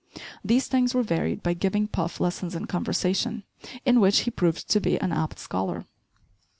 These things were varied by giving Puff lessons in conversation, in which he proved to be an apt scholar.